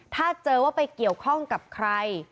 ถ้าเจอว่าไปเกี่ยวข้องกับใคร